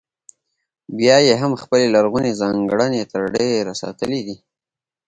بیا یې هم خپلې لرغونې ځانګړنې تر ډېره ساتلې دي.